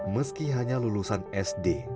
meski hanya lulusan sd